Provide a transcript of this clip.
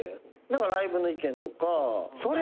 ライブの意見とか。